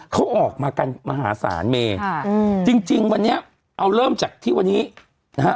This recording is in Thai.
เขาออกมากันมหาศาลเมค่ะอืมจริงจริงวันนี้เอาเริ่มจากที่วันนี้นะฮะ